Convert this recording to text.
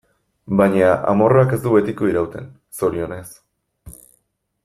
Baina amorruak ez du betiko irauten, zorionez.